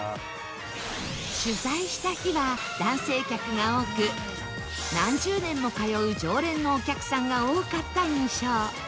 取材した日は男性客が多く何十年も通う常連のお客さんが多かった印象